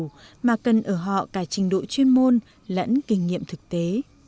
điều mà cần ở họ cả trình độ chuyên môn lẫn kinh nghiệm thực tế